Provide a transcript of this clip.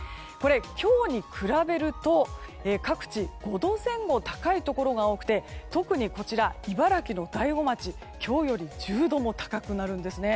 今日に比べると各地５度前後高いところが多くて特に茨城の大子町今日より１０度も高くなるんですね。